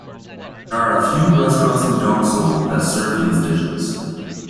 There are a few restaurants in Donsol that serve these dishes.